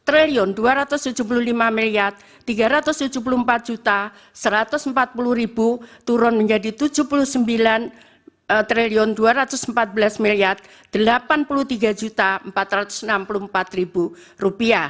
rp dua ratus tujuh puluh lima tiga ratus tujuh puluh empat satu ratus empat puluh turun menjadi rp tujuh puluh sembilan dua ratus empat belas delapan puluh tiga empat ratus enam puluh empat